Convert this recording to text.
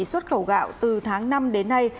xuất khẩu gạo từ tháng năm đến nay